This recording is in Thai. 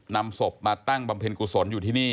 นำศพมาตั้งบำเพ็ญกุศลอยู่ที่นี่